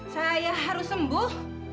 saya harus sembuh